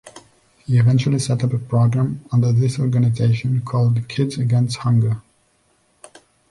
He eventually set up a program under this organization called "Kids Against Hunger".